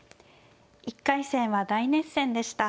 １回戦は大熱戦でした。